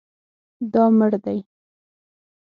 دا مړ دی